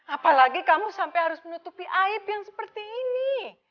apalagi kamu sampai harus menutupi aib yang seperti ini